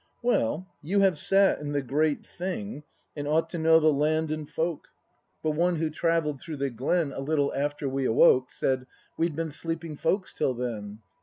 Well, you have sat in the great Thing, And ought to know the Land and Folk; 216 BRAND [act v But one who travell'd through the glen A little after we awoke Said, we'd been sleeping folks till then.